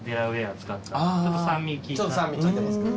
ちょっと酸味効いてますか。